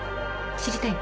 知りたい？